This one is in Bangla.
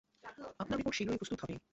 আপনার রিপোর্ট শীঘ্রই প্রস্তুত হবে।